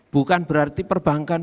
bukan berarti perbankan